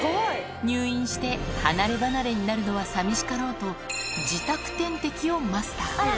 入院して離れ離れになるのはさみしかろうと、自宅点滴をマスター。